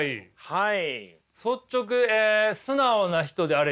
はい。